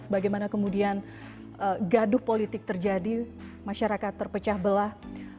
bagaimana kemudian gaduh politik terjadi masyarakat terpecah belah